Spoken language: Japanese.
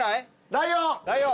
ライオン。